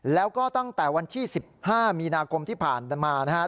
แล้วก็ตั้งแต่วันที่๑๕มีนาคมที่ผ่านมานะครับ